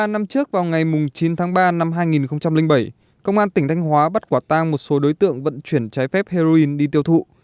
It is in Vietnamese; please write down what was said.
một mươi năm trước vào ngày chín tháng ba năm hai nghìn bảy công an tỉnh thanh hóa bắt quả tang một số đối tượng vận chuyển trái phép heroin đi tiêu thụ